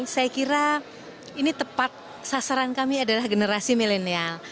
saya kira ini tepat sasaran kami adalah generasi milenial